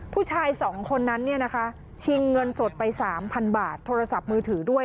ผู้ชายสองคนนั้นชิงเงินสดไป๓๐๐๐บาทโทรศัพท์มือถือด้วย